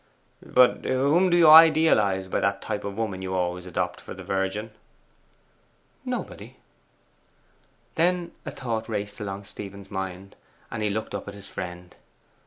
'But whom do you idealize by that type of woman you always adopt for the Virgin?' 'Nobody.' And then a thought raced along Stephen's mind and he looked up at his friend.